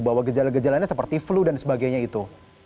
bahwa gejala gejalanya seperti flu dan sebagainya itu